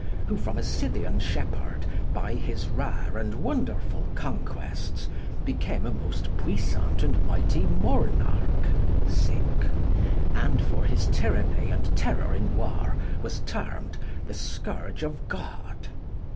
Who, from a Scythian Shepheard, by his rare and wonderfull Conquestes, became a most puissant and mightie Mornarch: And (for his tyrannie, and terrour in warre) was tearmed, The Scourge of God.